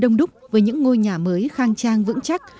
đông đúc với những ngôi nhà mới khang trang vững chắc